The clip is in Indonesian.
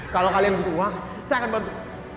kalau kalian butuh uang saya akan bantu